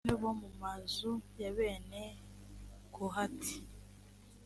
bamwe bo mu mazu ya bene kohati